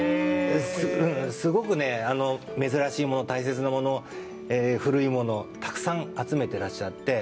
すごく珍しいもの、大切なもの古いもの、たくさん集めていらっしゃって。